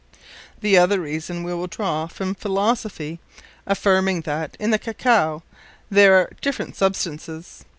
The other reason, we will draw from Philosophy; affirming that, in the Cacao, there are different substances.